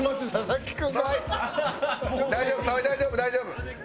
澤井大丈夫大丈夫。